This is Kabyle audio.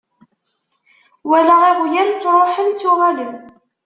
Walaɣ iɣyal ttruḥen ttuɣalen.